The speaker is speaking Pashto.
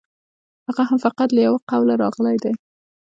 هغه هم فقط له یوه قوله راغلی دی.